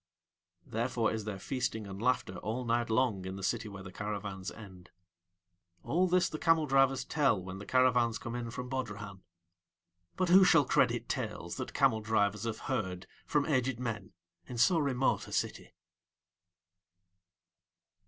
Therefore is there feasting and laughter all night long in the city where the caravans end. All this the camel drivers tell when the caravans come in from Bodrahan; but who shall credit tales that camel drivers have heard from aged men in so remote a city?